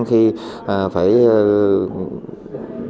khi phải bắt đầu làm việc